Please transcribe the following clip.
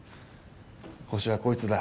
ホシはこいつだ。